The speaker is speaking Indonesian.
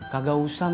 kagak usah mak